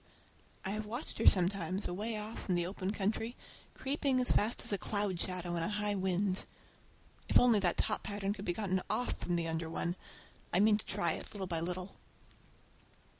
I have watched her sometimes away off in the open country, creeping as fast as a cloud shadow in a high wind. If only that top pattern could be gotten off from the under one! I mean to try it, little by little.